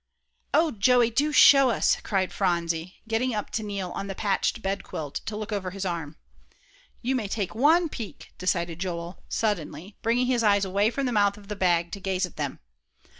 "Oh, Joey, do show us!" cried Phronsie, getting up to kneel on the patched bedquilt, to look over his arm. "You may take one peek," decided Joel, suddenly, bringing his eyes away from the mouth of the bag to gaze at them.